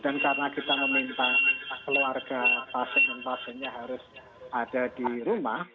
dan karena kita meminta keluarga pasien pasiennya harus ada di rumah